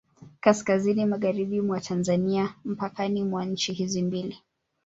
Kaskazini magharibi mwa Tanzania mpakani mwa nchi hizi mbili